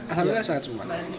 alhamdulillah sangat semua